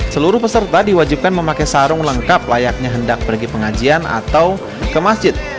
seluruh peserta diwajibkan memakai sarung lengkap layaknya hendak pergi pengajian atau ke masjid